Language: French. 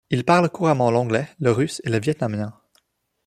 Il parle couramment l'anglais, le russe et le vietnamien.